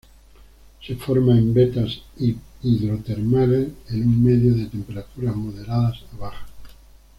Se forma en vetas hidrotermales en un medio de temperaturas moderadas a bajas.